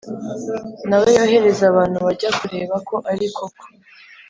na we yohereza abantu bajya kureba ko ari koko,